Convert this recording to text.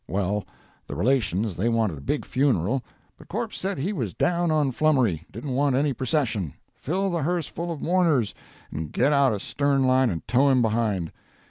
Well, the relations they wanted a big funeral, but corpse said he was down on flummery—didn't want any procession—fill the hearse full of mourners, and get out a stern line and tow him behind.